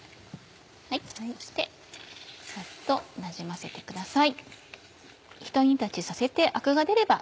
そしてさっとなじませてください。